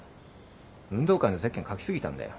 運動会のゼッケン書き過ぎたんだよ。